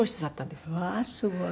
うわあすごい。